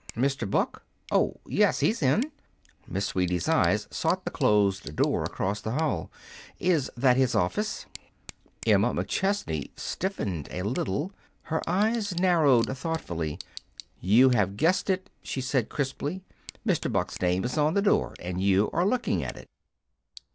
"Mr. Buck? Oh, yes, he's in." Miss Sweeney's eyes sought the closed door across the hall. "Is that his office?" Emma McChesney stiffened a little. Her eyes narrowed thoughtfully. "You have guessed it," she said crisply. "Mr. Buck's name is on the door, and you are looking at it."